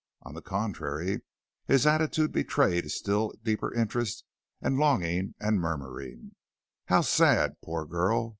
On the contrary, his attitude betrayed a still deeper interest and longing, and murmuring, "How sad! poor girl!"